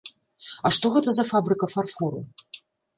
А што гэта за фабрыка фарфору?